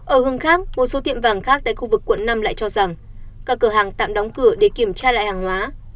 ở hương khác một số tiệm vàng khác tại khu vực quận năm lại cho rằng các cửa hàng tạm đóng cửa để kiểm tra lại hàng hóa